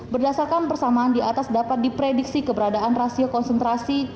berdasarkan persamaan di atas dapat diprediksi keberadaan rasio konsentrasi